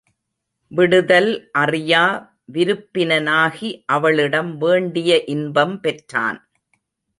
விடுதல் அறியா விருப்பினனாகி அவளிடம் வேண்டிய இன்பம் பெற்றான்.